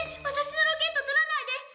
私のロケット取らないで！